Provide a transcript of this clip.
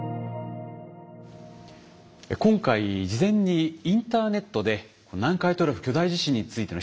今回事前にインターネットで南海トラフ巨大地震についての質問をですね